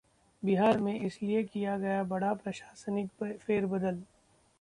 बिहार में इसलिए किया गया बड़ा प्रशासनिक फेरबदल